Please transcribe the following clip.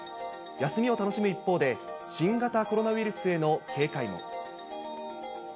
休みを楽しむ一方で、新型コロナウイルスへの警戒も。